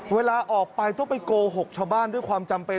เวลาออกไปต้องไปโกหกชาวบ้านด้วยความจำเป็น